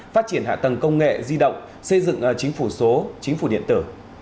phát triển hạ tầng công nghệ di động xây dựng chính phủ số chính phủ điện tử